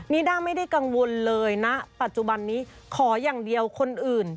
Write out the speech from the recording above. ด้าไม่ได้กังวลเลยนะปัจจุบันนี้ขออย่างเดียวคนอื่น